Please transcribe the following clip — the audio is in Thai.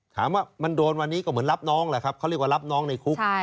ถามว่ามันโดนวันนี้ก็เหมือนรับน้องแหละครับเขาเรียกว่ารับน้องในคุก